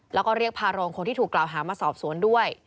แล้วก็เรียกพาโรงคนที่ถูกกล่าวหามาสอบสวนด้วย